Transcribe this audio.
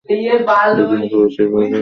যাদের মধ্যে বেশিরভাগই ছিল শিশু ও বৃদ্ধ।